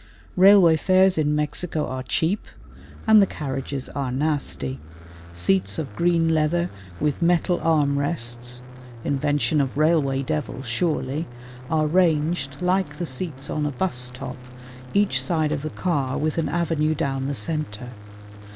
Railway fares in Mexico are cheap, and the carriages are nasty. Seats of green leather with metal arm rests (invention of railway devil, surely) are ranged, like the seats on a bus top, each side of the car with an avenue down the centre.